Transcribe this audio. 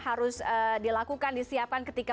harus dilakukan disiapkan ketika